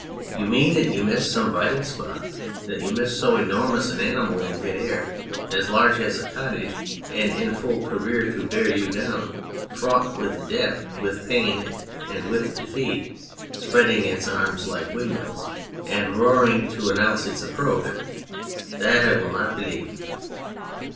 You mean that you missed some vital spot. That you missed so enormous an animal in mid air, as large as a cottage, and in full career to bear you down, fraught with death, with pain, and with defeat, spreading its arms like windmills, and roaring to announce its approach that 1 will not believe."